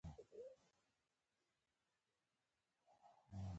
کچالو د ښځو لخوا زیات پخېږي